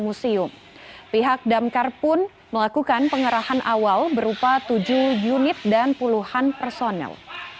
museum pihak damkar pun melakukan pengerahan awal berupa tujuh unit dan puluhan personel